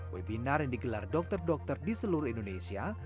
webinar yang digelar dokter dokter di seluruh indonesia